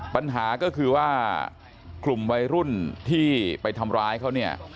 ปัญหาก็คือว่ากลุ่มวัยรุ่นที่ไปทำร้ายเขาเนี่ย